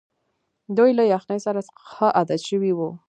دوی له یخنۍ سره ښه عادت شوي وو.